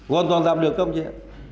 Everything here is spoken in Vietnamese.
còn toàn làm được không chị ạ